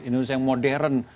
indonesia yang modern